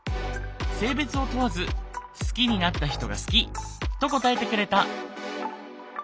性別を問わず好きになった人が好きと答えてくれた。